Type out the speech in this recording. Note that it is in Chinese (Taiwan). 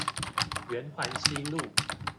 圓環西路